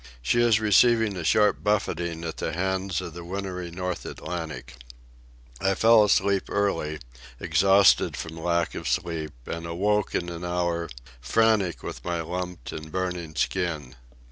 She is receiving a sharp buffeting at the hands of the wintry North Atlantic. I fell asleep early, exhausted from lack of sleep, and awoke in an hour, frantic with my lumped and burning skin.